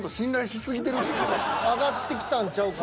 上がってきたんちゃうかな。